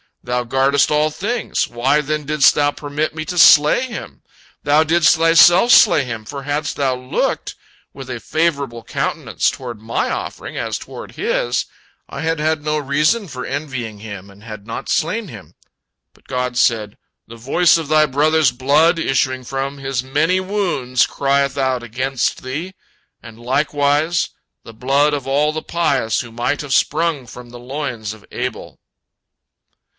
Thou guardest all things; why, then, didst Thou permit me to slay him? Thou didst Thyself slay him, for hadst Thou looked with a favorable countenance toward my offering as toward his, I had had no reason for envying him, and I had not slain him." But God said, "The voice of thy brother's blood issuing from his many wounds crieth out against thee, and likewise the blood of all the pious who might have sprung from the loins of Abel."